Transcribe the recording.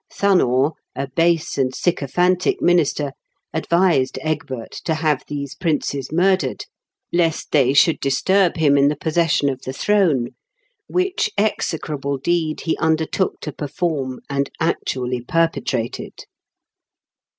Thunnor, a base and sycophantic minister, advised Egbert to have these princes murdered^ lest they should disturb him in the possession of the throne, 306 m KENT WITH CEABLE8 DICKENS. which execrable deed he undertook to perform, and actually perpetrated.